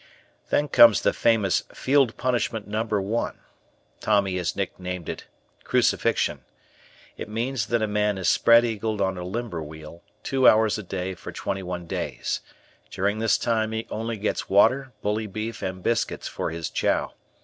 Then comes the famous Field Punishment No. I. Tommy has nicknamed it "crucifixion." It means that a man is spread eagled on a limber wheel, two hours a day for twenty one days. During this time he only gets water, bully beef, and biscuits for his chow.